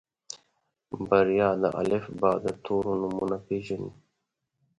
بريا د الفبا د تورو نومونه پېژني.